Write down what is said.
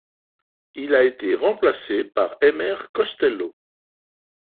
Il a été remplacé par Emer Costello.